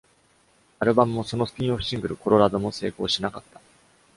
アルバムもそのスピンオフ・シングル「コロラド」も成功しなかった。